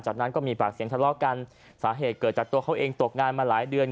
จากนั้นก็มีปากเสียงทะเลาะกันสาเหตุเกิดจากตัวเขาเองตกงานมาหลายเดือน